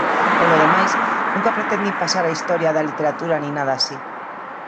Polo demais, nunca pretendín pasar á historia da literatura nin nada así.